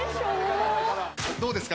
どうですか？